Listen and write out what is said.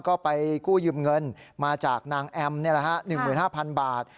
ก็ไปกู้ยืมเงินมาจากนางแอมเนี่ยแหละฮะหนึ่งหมื่นห้าพันบาท